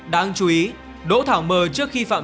đáng chú ý đỗ thảo mờ trước khi phạm